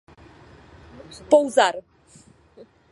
Pouzar.